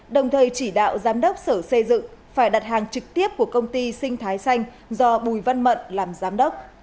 đạo giám đốc sở xây dựng phải đặt hàng trực tiếp của công ty sinh thái xanh do bùi văn mận làm giám đốc